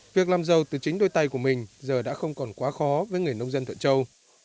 việc làm giàu từ chính đôi tay của mình giờ đã không còn quá khó với người nông dân thuận châu